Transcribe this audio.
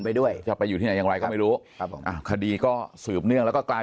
ไปด้วยจะไปอยู่ที่ไหนยังไงก็ไม่รู้คดีก็สืบเนื่องแล้วกลาย